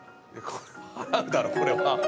払うだろこれは。